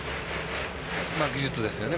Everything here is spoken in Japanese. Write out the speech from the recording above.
技術ですよね。